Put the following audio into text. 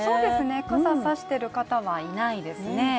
傘、差してる方はいないですね。